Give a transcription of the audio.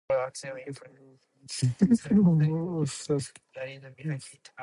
Grizzard was also the stepbrother of the Southern humorist Ludlow Porch.